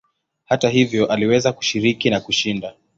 Hata hivyo aliweza kushiriki na kushinda.